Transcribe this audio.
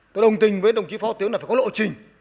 tôi đồng tình với đồng chí phó tiếu là phải có lộ trình